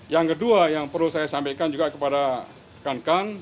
yang kedua yang perlu saya sampaikan juga kepada kankan